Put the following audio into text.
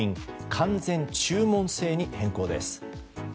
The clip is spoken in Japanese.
完全注文制に変更です。